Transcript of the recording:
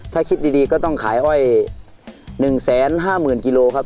ถ้าคิดดีก็ต้องขายอ้อย๑แสน๕หมื่นกิโลกรัมครับ